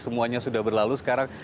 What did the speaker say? semuanya sudah berlalu sekarang